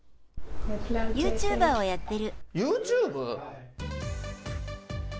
ユーチューバーをやってる。